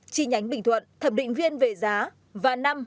tri nhánh bình thuận thẩm định viên về giá